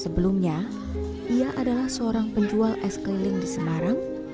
sebelumnya ia adalah seorang penjual es keliling di semarang